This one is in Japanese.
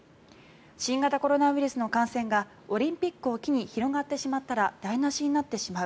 新型コロナウイルスの感染がオリンピックを機に広がってしまったら台無しになってしまう。